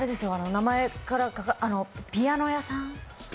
名前からピアノ屋さん。